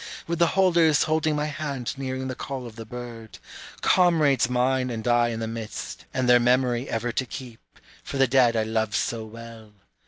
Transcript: With the holders holding my hand nearing the call of the bird, Comrades mine and I in the midst, and their memory ever to keep, for the dead I loved so well.